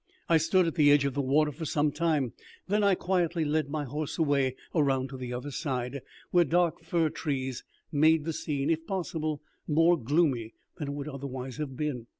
I stood at the edge of the water for some time; then I quietly led my horse away around to the other side, where dark fir trees made the scene, if possible, more gloomy than it would otherwise have been.